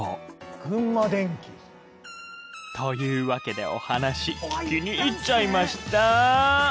群馬電機？というわけでお話聞きに行っちゃいました！